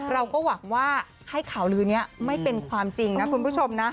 เราก็หวังว่าให้ข่าวลือนี้ไม่เป็นความจริงนะคุณผู้ชมนะ